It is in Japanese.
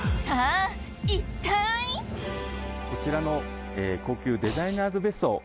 さぁ一体こちらの高級デザイナーズ別荘